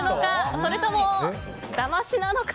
それとも、だましなのか。